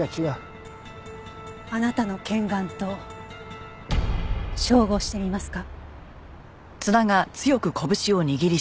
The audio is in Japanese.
あなたの拳眼と照合してみますか？